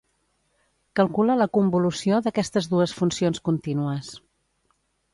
Calcula la convolució d'aquestes dues funcions contínues